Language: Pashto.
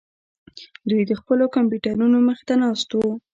دوی د خپلو کمپیوټرونو مخې ته ناست وو